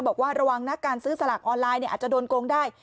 บอกว่าระวังนะการซื้อสลากออนไลน์อาจจะโดนโกงได้